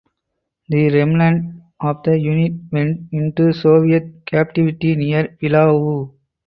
The remnants of the unit went into Soviet captivity near Pillau.